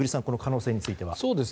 この可能性については。